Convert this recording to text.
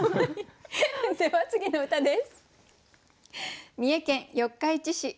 では次の歌です。